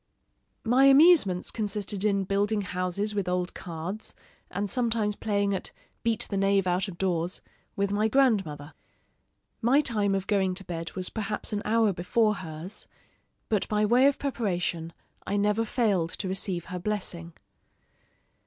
My amusements consisted in building houses with old cards, and sometimes playing at 'Beat the knave out of doors' with my grandmother. My time of going to bed was perhaps an hour before hers; but by way of preparation, I never failed to receive her blessing.